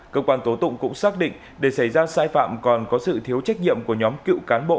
cơ quan tố tụng cũng xác định để xảy ra sai phạm còn có sự thiếu trách nhiệm của nhóm cựu cán bộ